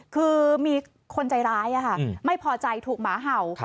คือมีคนใจร้ายไม่พอใจถูกหมาเห่า